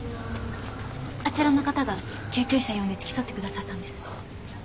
あちらの方が救急車呼んで付き添ってくださったんです。